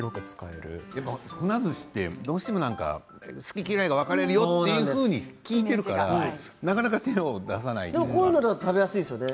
ふなずしってどうしても好き嫌いが分かれるよというふうに聞いているからなかなか手を出せないですよね。